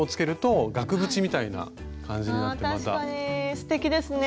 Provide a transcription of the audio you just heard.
すてきですね。